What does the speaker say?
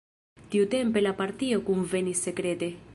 Tiutempe la partio kunvenis sekrete.